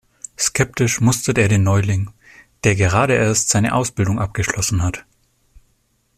Skeptisch mustert er den Neuling, der gerade erst seine Ausbildung abgeschlossen hat.